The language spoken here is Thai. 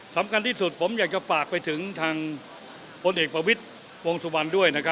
สำคัญที่สุดผมอยากจะฝากไปถึงทางพลเอกประวิทย์วงสุวรรณด้วย